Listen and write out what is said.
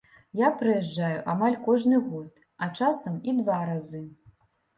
Я прыязджаю амаль кожны год, а часам і два разы.